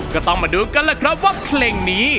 ก็ต้องมาดูกันล่ะครับว่าเพลงนี้